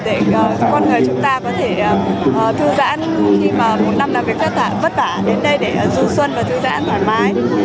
để con người chúng ta có thể thư giãn khi mà một năm làm việc phát tạ vất vả đến đây để du xuân và thư giãn thoải mái